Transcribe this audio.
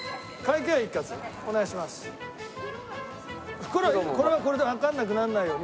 袋はこれはこれでわかんなくならないように。